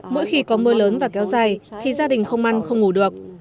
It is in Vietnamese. mỗi khi có mưa lớn và kéo dài thì gia đình không ăn không ngủ được